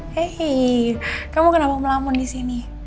hei kamu kenapa melamun disini